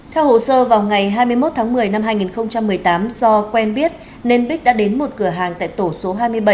theo hồ sơ vào ngày hai mươi một tháng một mươi năm hai nghìn một mươi tám do quen biết nên bích đã đến một cửa hàng tại tổ số hai mươi bảy